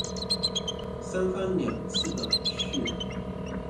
三番两次的去